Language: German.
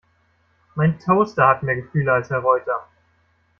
Mein Toaster hat mehr Gefühle als Herr Reuter!